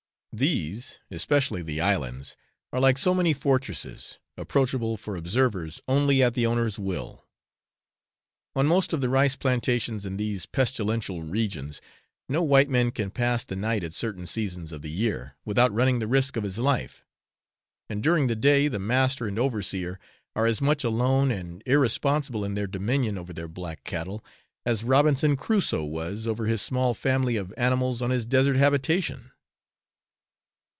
These, especially the islands, are like so many fortresses, approachable for 'observers' only at the owners' will. On most of the rice plantations in these pestilential regions, no white man can pass the night at certain seasons of the year without running the risk of his life; and during the day, the master and overseer are as much alone and irresponsible in their dominion over their black cattle, as Robinson Crusoe was over his small family of animals on his desert habitation.